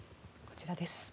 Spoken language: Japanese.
こちらです。